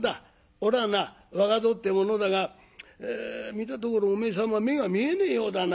おらはな若蔵って者だが見たところお前様目が見えねえようだな。